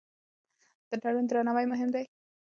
د تړون درناوی مهم دی.